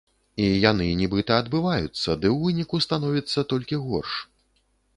І яны нібыта адбываюцца, ды ў выніку становіцца толькі горш.